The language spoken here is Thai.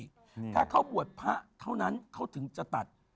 ถ้าเขาบวชพระเท่านั้นเขาถึงจะตัด